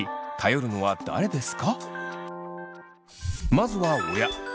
まずは親。